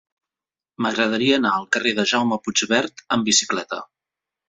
M'agradaria anar al carrer de Jaume Puigvert amb bicicleta.